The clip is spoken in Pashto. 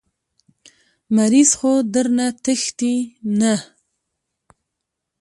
مريض خو درنه تښتي نه.